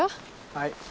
はい！